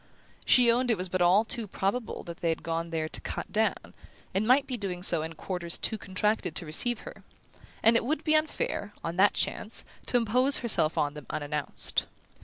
She owned it was but too probable that they had gone there to "cut down", and might be doing so in quarters too contracted to receive her; and it would be unfair, on that chance, to impose herself on them unannounced.